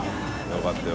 よかった。